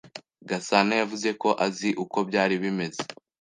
Gasana yavuze ko azi uko byari bimeze.